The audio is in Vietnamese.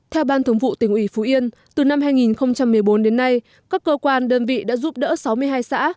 theo ban thường vụ tỉnh ủy phú yên từ năm hai nghìn một mươi bốn đến nay các cơ quan đơn vị đã giúp đỡ sáu mươi hai xã